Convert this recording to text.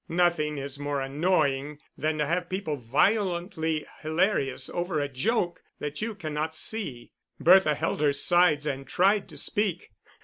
Nothing is more annoying than to have people violently hilarious over a joke that you cannot see. Bertha held her sides and tried to speak.